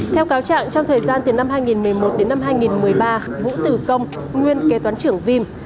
theo cáo trạng trong thời gian từ năm hai nghìn một mươi một đến năm hai nghìn một mươi ba vũ tử công nguyên kế toán trưởng vim